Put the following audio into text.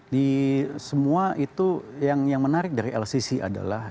di semua itu yang menarik dari lcc adalah